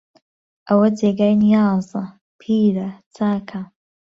ئەوە جێگای نیازە، پیرە، چاکە